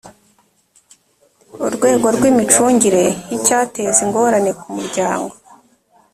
urwego rw’imicungire y’icyateza ingorane ku muryango